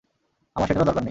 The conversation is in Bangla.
আমার সেটারও দরকার নেই।